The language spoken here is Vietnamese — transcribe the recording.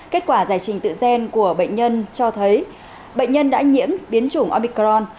kết quả giải trình tự gen của bệnh nhân cho thấy bệnh nhân đã nhiễm biến chủng omicron